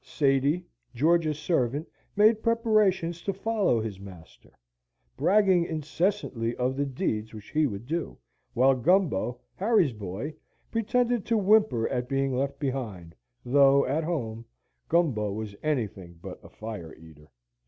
Sady, George's servant, made preparations to follow his master, bragging incessantly of the deeds which he would do, while Gumbo, Harry's boy, pretended to whimper at being left behind, though, at home, Gumbo was anything but a fire eater.